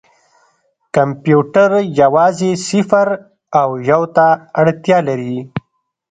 کمپیوټر یوازې صفر او یو ته اړتیا لري.